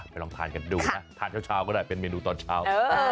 ลองทานกันดูนะทานเช้าก็ได้เป็นเมนูตอนเช้า